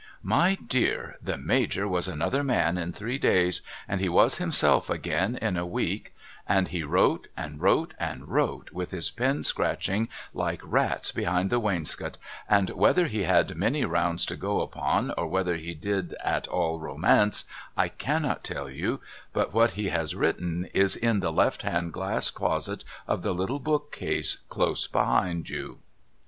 My dear the Major was another man in three days and he was himself again in a week and he wrote and wrote and wrote with his pen scratching like rats behind the wainscot, and whether he had many grounds to go upon or whether he did at all romance I cannot tell you, but what he has written is in the left hand glass closet of the little bookcase close behind you.